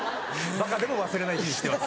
バカでも忘れない日にしてます。